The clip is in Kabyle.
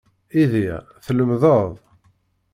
Idir, tlemdeḍ.